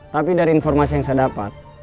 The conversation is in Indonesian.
tapi dari informasi yang saya dapat